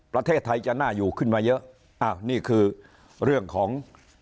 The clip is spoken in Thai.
ประเทศไทยจะน่าอยู่ขึ้นมาเยอะอ้าวนี่คือเรื่องของ